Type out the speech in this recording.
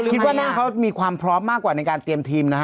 คิดว่าหน้าเขามีความพร้อมมากกว่าในการเตรียมทีมนะฮะ